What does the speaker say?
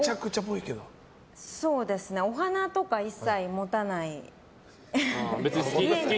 お花とか一切持たない。